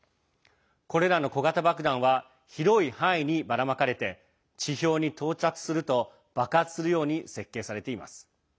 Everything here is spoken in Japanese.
これらの小型爆弾は広い範囲にばらまかれて地表に到達すると爆発するように設計されています。